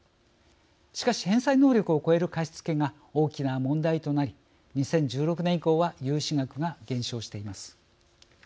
しかし、返済能力を超える貸し付けが大きな問題となり２０１６年以降は融資額が減少しています。